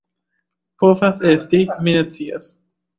Povas esti, mi ne scias.